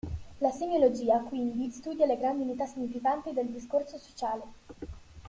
La semiologia quindi studia le "grandi unità significanti" del discorso sociale.